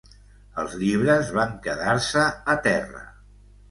Els llibres van quedar-se a terra.